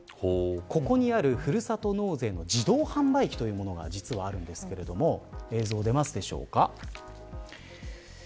ここにあるふるさと納税の自動販売機というものが実はあるんですけど映像、出ますでしょうか。